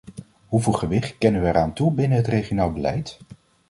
Hoeveel gewicht kennen we eraan toe binnen het regionaal beleid?